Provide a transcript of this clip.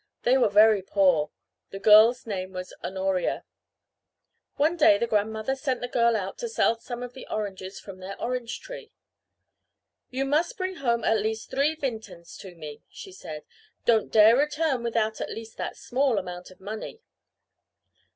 They were very poor. The girl's name was Honoria. One day the grandmother sent the girl out to sell some of the oranges from their orange tree. "You must bring home at least three vintens to me," she said. "Don't dare return without at least that small amount of money."